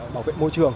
bảo vệ môi trường